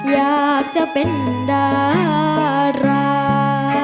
อยากจะเป็นดารา